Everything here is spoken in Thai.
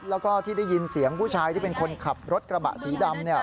แล้วก็ที่ได้ยินเสียงผู้ชายที่เป็นคนขับรถกระบะสีดำ